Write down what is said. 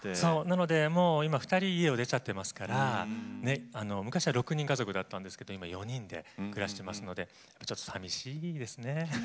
今２人、家を出ちゃっていますから昔は６人家族だったんですけど今は４人で暮らしていますのでちょっと寂しいですね。